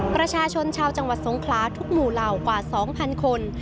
ประชาชนชาวจังหวัดทรงคล้าทุกหมู่ราวกว่า๒๐๐๐คน